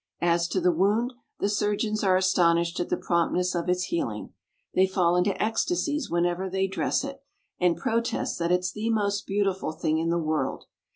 As to the wound, the surgeons are astonished at the promptness of its healing. They fall into ecstasies whenever they dress it, and protest that it's the most beautiful thing in the world.